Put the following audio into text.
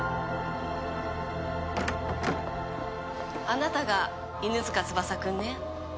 あなたが犬塚翼くんね。